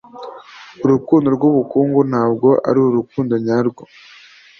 urukundo rwubukungu ntabwo ari urukundo nyarwo.